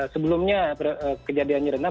sebelumnya kejadiannya rendah